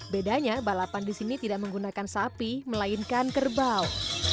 bedanya balapan di sini tidak menggunakan sapi melainkan kerbau